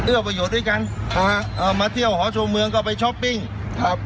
ประโยชน์ด้วยกันนะฮะเอ่อมาเที่ยวหอชมเมืองก็ไปช้อปปิ้งครับ